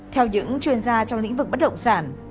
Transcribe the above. theo những chuyên gia trong lĩnh vực bất động sản